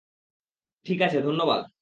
ঠিক আছে, ধন্যবাদ।